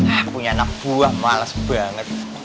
ah punya anak buah males banget